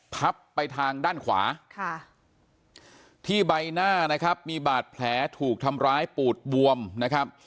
ทับไปทางด้านขวาที่ใบหน้านะครับมีบาดแผลถูกทำร้ายปูดบวมนะครับ